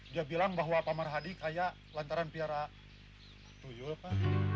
dia bilang bahwa pak marhadi kayak lantaran piara tujuh pak